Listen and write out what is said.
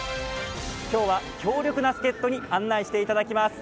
今日は強力な助っ人に案内していただきます。